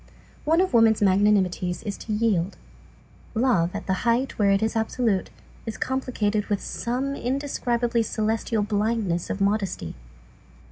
One of woman's magnanimities is to yield. Love, at the height where it is absolute, is complicated with some indescribably celestial blindness of modesty.